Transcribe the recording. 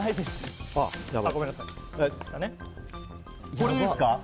これでいいですか？